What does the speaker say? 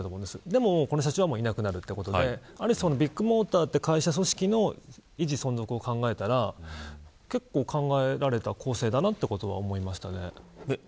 でも、この社長はいなくなるということでビッグモーターという組織の維持存続を考えたら結構考えられた構成だなと思いました。